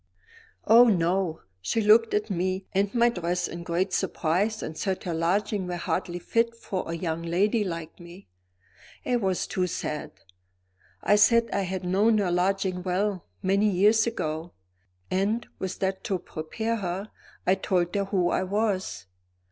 "Oh! no. She looked at me and my dress in great surprise and said her lodgings were hardly fit for a young lady like me. It was too sad. I said I had known her lodgings well, many years ago and, with that to prepare her, I told her who I was.